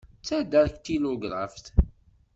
D tadaktilugraft.